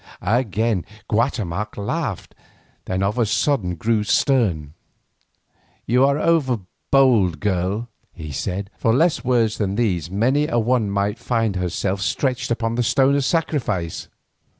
Again Guatemoc laughed, then of a sudden grew stern. "You are over bold, girl," he said; "for less words than these many a one might find herself stretched upon the stone of sacrifice.